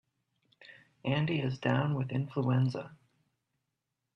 Andy is down with influenza.